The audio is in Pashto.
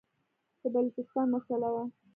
د بلوچستان مسله وه.